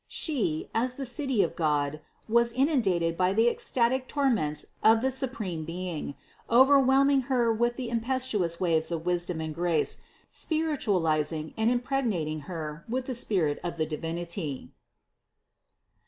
She, as the City of God, was inundated by the ecstatic torrents of the supreme Being, overwhelming Her with the impetuous waves of wisdom and grace, spiritualizing and impregnating Her with the spirit of the Divinity.